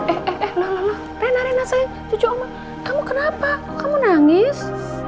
eh eh eh loh loh loh rina rina sayang jujur omong kamu kenapa kamu nangis